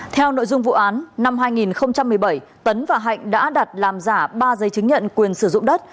theo nội dung vụ án năm hai nghìn một mươi bảy tấn và hạnh đã đặt làm giả ba giấy chứng nhận quyền sử dụng đất